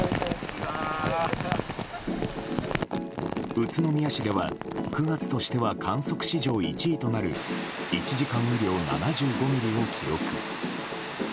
宇都宮市では９月としては観測史上１位となる１時間雨量７５ミリを記録。